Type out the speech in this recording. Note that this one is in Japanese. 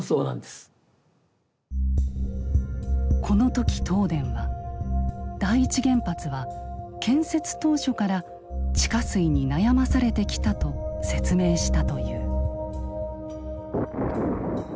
この時東電は第一原発は建設当初から地下水に悩まされてきたと説明したという。